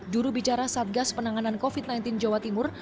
jurubicara satgas penanganan covid sembilan belas jawa timur